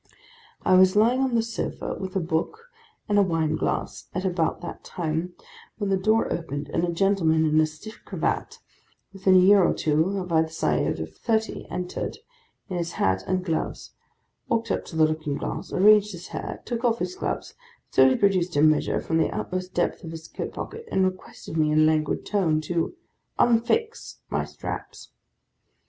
I was lying on the sofa, with a book and a wine glass, at about that time, when the door opened, and a gentleman in a stiff cravat, within a year or two on either side of thirty, entered, in his hat and gloves; walked up to the looking glass; arranged his hair; took off his gloves; slowly produced a measure from the uttermost depths of his coat pocket; and requested me, in a languid tone, to 'unfix' my straps.